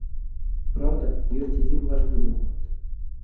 Праўда, ёсць адзін важны момант.